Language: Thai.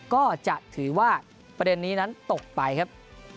ก็จะถือว่าประเด็นนี้นั้นตกไปครับ